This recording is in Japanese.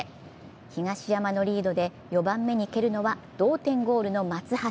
東山のリードで４番目に蹴るのは、同点ゴールの松橋。